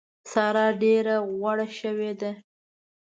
سارا ډېره غوړه شوې ده.